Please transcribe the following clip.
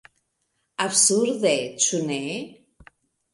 Absurde, ĉu ne?